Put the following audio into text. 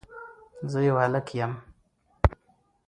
زه يو هلک يم